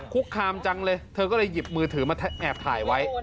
คุกคามจังเลยเธอก็เลยหยิบมือถือมาแอบถ่ายไว้